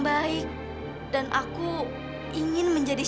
di dalam ujung kota kita